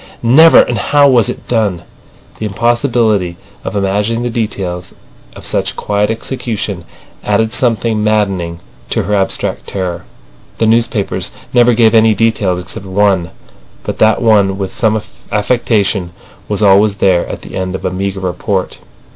Never! And how was it done? The impossibility of imagining the details of such quiet execution added something maddening to her abstract terror. The newspapers never gave any details except one, but that one with some affectation was always there at the end of a meagre report.